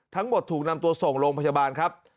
ถูกนำตัวส่งโรงพยาบาลครับ